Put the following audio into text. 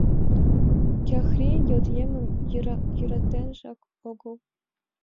Кӓхри йот еҥым йӧратенжак огыл.